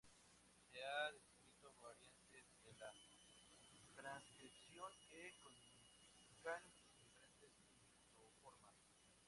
Se han descrito variantes de la transcripción que codifican diferentes isoformas.